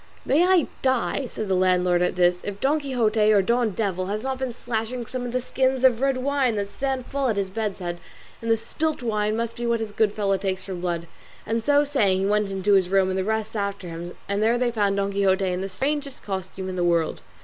"May I die," said the landlord at this, "if Don Quixote or Don Devil has not been slashing some of the skins of red wine that stand full at his bed's head, and the spilt wine must be what this good fellow takes for blood;" and so saying he went into the room and the rest after him, and there they found Don Quixote in the strangest costume in the world.